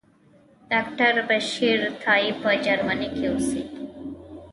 ډاکټر بشیر تائي په جرمني کې اوسي.